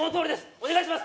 お願いします